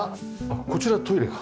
こちらトイレか。